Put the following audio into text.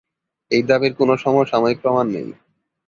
এই দাবির কোন সমসাময়িক প্রমাণ নেই।